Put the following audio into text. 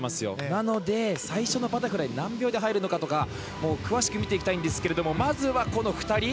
なので、最初のバタフライ何秒で入るのかとか詳しく見ていきたいんですがまずはこの２人。